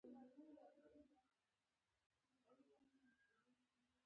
پای نیټورک یوه کریپټو کرنسۍ ده